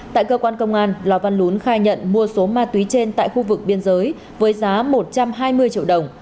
tại cơ quan công an lò văn lún khai nhận mua số ma túy trên tại khu vực biên giới với giá một trăm hai mươi triệu đồng